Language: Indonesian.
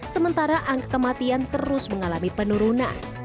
sementara angka kematian terus mengalami penurunan